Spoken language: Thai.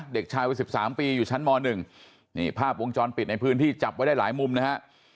เด็กชายวัย๑๓ปีอยู่ชั้นม๑นี่ภาพวงจรปิดในพื้นที่จับไว้ได้หลายมุมนะฮะ